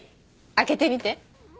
開けてみて。